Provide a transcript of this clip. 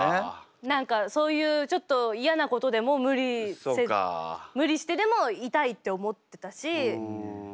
何かそういうちょっと嫌なことでも無理してでもいたいって思ってたしうん。